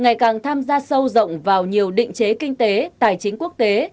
ngày càng tham gia sâu rộng vào nhiều định chế kinh tế tài chính quốc tế